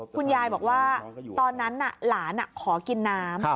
คุณยายบอกว่าตอนนั้นหลานขอกินน้ำ